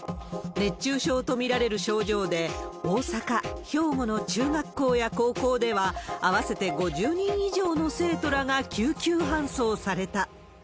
熱中症と見られる症状で、大阪、兵庫の中学校や高校では、合わせて５０人以上の生徒らが救急搬送された。